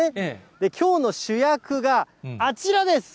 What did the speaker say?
きょうの主役が、あちらです。